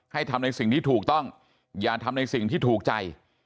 ทำในสิ่งที่ถูกต้องอย่าทำในสิ่งที่ถูกใจ